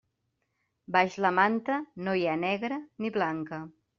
Baix la manta no hi ha negra ni blanca.